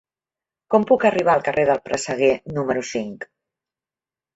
Com puc arribar al carrer del Presseguer número cinc?